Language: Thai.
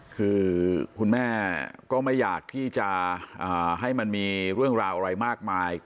คือคุณแม่ก็ไม่อยากที่จะให้มันมีเรื่องราวอะไรมากมาย